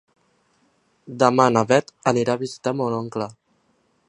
Demà na Bet anirà a visitar mon oncle.